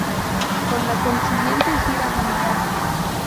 Con la consiguiente gira mundial.